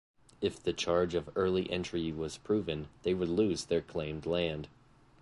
If the charge of early entry was proven, they would lose their claimed land.